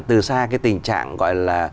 từ xa cái tình trạng gọi là